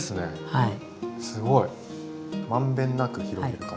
はい。